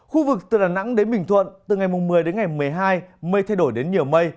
khu vực từ đà nẵng đến bình thuận từ ngày một mươi đến ngày một mươi hai mây thay đổi đến nhiều mây